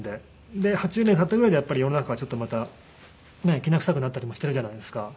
で８０年経ったぐらいで世の中がちょっとまたきな臭くなったりもしてるじゃないですか。